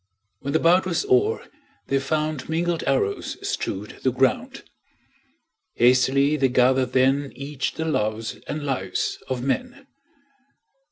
When the bout was o'er they found Mingled arrows strewed the ground. Hastily they gathered then Each the loves and lives of men.